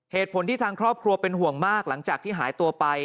เหตุผลที่ทางครอบครัวเป็นห่วงมากหลังจากที่หายตัวไป